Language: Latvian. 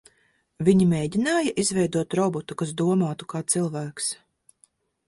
Viņi mēģināja izveidot robotu, kas domātu kā cilvēks?